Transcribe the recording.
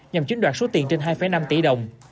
nhằm chiếm đoạt số tiền trên hai năm tỷ đồng